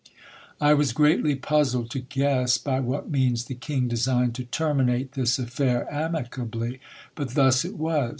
I was greatly puzzled to guess by what means the King designed to terminate this affair amicably : but thus it was.